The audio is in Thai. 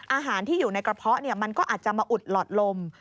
อาหารที่อยู่ในกระเพาะมันก็อาจจะมาอุดหลอดลม